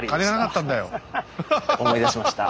思い出しました。